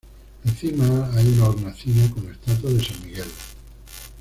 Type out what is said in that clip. Encima hay una hornacina con la estatua de San Miguel.